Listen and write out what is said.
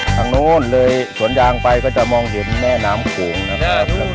ทางโน้นเลยสวนยางไปก็จะมองเห็นแม่น้ำโขงนะครับ